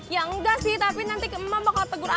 ya nggak sih tapi nanti ke emak bakal tegur aku